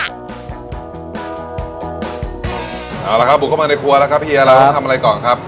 เอาละครับบุกเข้ามาในครัวแล้วครับเฮียเราต้องทำอะไรก่อนครับ